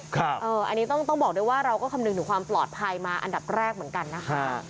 อันนี้ต้องบอกด้วยว่าเราก็คำนึงถึงความปลอดภัยมาอันดับแรกเหมือนกันนะคะ